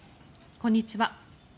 こんにちは。